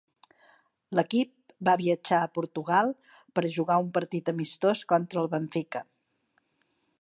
L'equip va viatjar a Portugal per a jugar un partit amistós contra el Benfica.